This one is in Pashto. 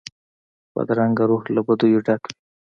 بدرنګه روح له بدیو ډک وي